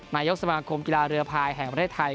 นายกสมาคมกีฬาเรือพายแห่งประเทศไทย